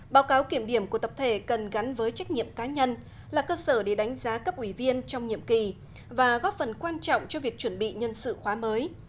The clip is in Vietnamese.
báo cáo kiểm điểm của tập thể cần gắn với trách nhiệm cá nhân là cơ sở để đánh giá cấp ủy viên trong nhiệm kỳ và góp phần quan trọng cho việc chuẩn bị nhân sự khóa mới